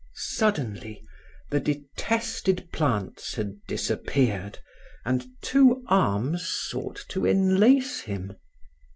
Suddenly the detested plants had disappeared and two arms sought to enlace him.